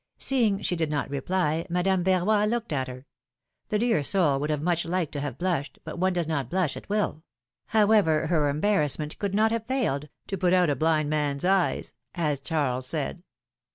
Seeing she did not reply, Madame Verroy looked at her — the dear soul would have much liked to have blushed, but one does not blush at will; however, her embarrassment could not have failed to put out a blind man's eyes," as Charles said.